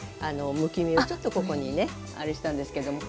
むき身をちょっとここにねあれしたんですけれども。